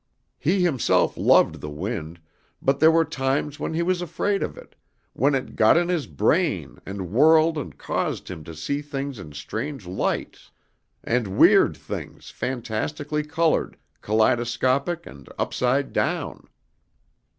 He himself loved the wind, but there were times when he was afraid of it, when it got in his brain and whirled and caused him to see things in strange lights and weird, things fantastically colored, kaleidoscopic and upside down.